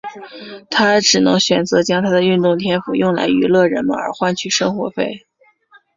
他只能选择将他的运动天赋用来娱乐人们而换取生活费。